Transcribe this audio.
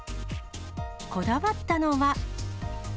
こだわったのは。